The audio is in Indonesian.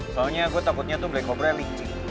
soalnya gue takutnya tuh black cobra licik